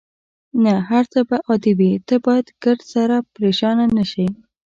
نه، هر څه به عادي وي، ته باید ګردسره پرېشانه نه شې.